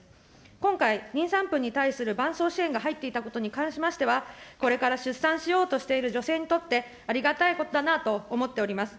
今回、妊産婦に対するばんそう支援が入っていたことに関しては、これから出産しようとしている女性にとって、ありがたいことだなと思っております。